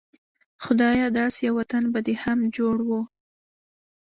خدايه داسې يو وطن به دې هم جوړ و